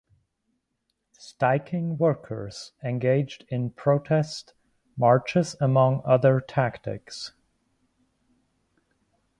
Stiking workers engaged in protest marches among other tactics.